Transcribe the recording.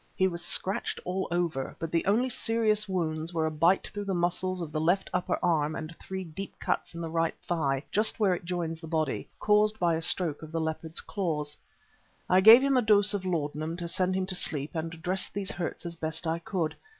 He was scratched all over, but the only serious wounds were a bite through the muscles of the left upper arm and three deep cuts in the right thigh just where it joins the body, caused by a stroke of the leopard's claws. I gave him a dose of laudanum to send him to sleep and dressed these hurts as best I could.